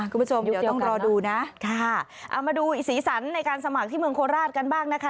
คุณผู้ชมเดี๋ยวต้องรอดูนะค่ะเอามาดูอีกสีสันในการสมัครที่เมืองโคราชกันบ้างนะคะ